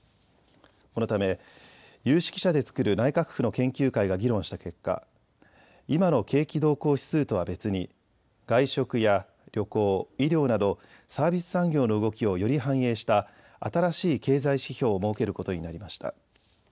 このため有識者で作る内閣府の研究会が議論した結果、今の景気動向指数とは別に外食や旅行、医療などサービス産業の動きをより反映した新しい経済指標を設けることになりました。